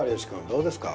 どうですか？